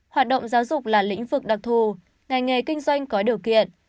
hoạt động giáo dục là lĩnh vực đặc thù ngành nghề kinh doanh có điều kiện